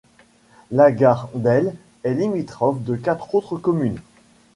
Lagardelle est limitrophe de quatre autres communes.